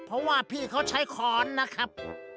เพราะว่าพี่เขาใช้ค้อนนะครับ